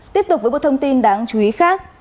tiếp tục với một thông tin đáng chú ý khác